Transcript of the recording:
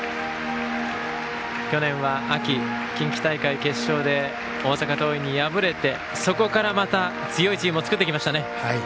去年は秋、近畿大会決勝で大阪桐蔭に敗れて、そこからまた強いチームを作ってきましたね。